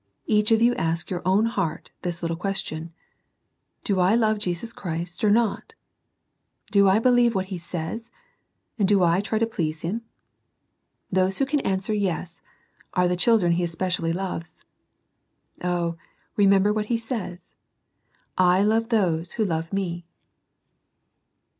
Each of you ask your own heart this little question, —^^ Do Ilovejestis Christ or not 1 Do I believe what He saySy and do I try to please Him 1 " Those who can answer, "Yes," are the children He especially love. Oh, remember what He says: " I love those that love Me."